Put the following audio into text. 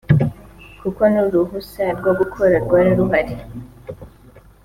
kuko n’uruhusa rwo gukora rwari ruhari